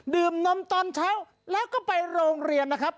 นมตอนเช้าแล้วก็ไปโรงเรียนนะครับ